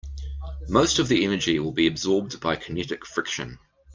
Most of the energy will be absorbed by kinetic friction.